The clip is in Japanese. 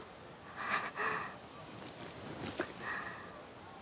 あっ。